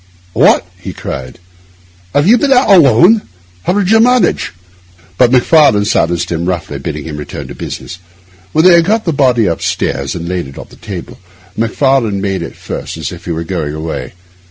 'What?' he cried. 'Have you been out alone? How did you manage?' But Macfarlane silenced him roughly, bidding him turn to business. When they had got the body upstairs and laid it on the table, Macfarlane made at first as if he were going away.